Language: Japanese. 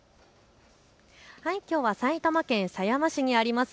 きょうは埼玉県狭山市にあります